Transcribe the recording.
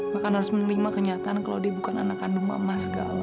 bahkan harus menerima kenyataan kalau dia bukan anak kandung mama segala